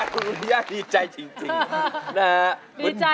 สุดร้องได้ให้ยา